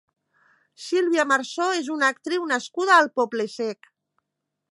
Sílvia Marsó és una actriu nascuda al Poble-sec.